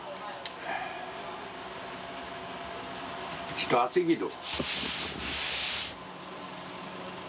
ちょっと暑いけど。